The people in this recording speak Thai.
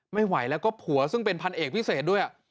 ไม่ไหวแล้วก็ผัวซึ่งเป็นพันเอกพิเศษด้วย